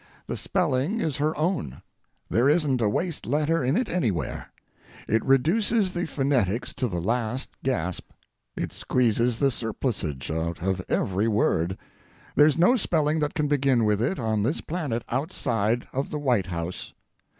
The spelling is her own. There isn't a waste letter in it anywhere. It reduces the fonetics to the last gasp—it squeezes the surplusage out of every word—there's no spelling that can begin with it on this planet outside of the White House.